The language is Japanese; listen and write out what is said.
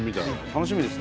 楽しみです。